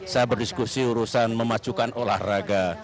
saya berdiskusi urusan memajukan olahraga